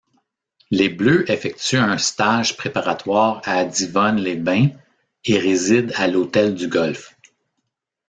Les Bleus effectuent un stage préparatoire à Divonne-les-Bains et résident à l'Hôtel du Golf.